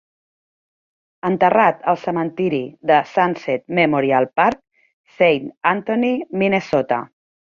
Enterrat al cementiri de Sunset Memorial Park, Saint Anthony, Minnesota.